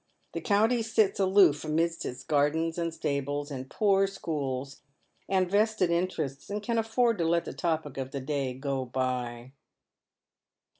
The county sits aloof amidst its gardens and stables, and poor schools, and vested interests, and can afford to let the topic of the day go by.